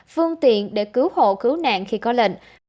phương tiện để cứu hộ cứu nạn khi có lệnh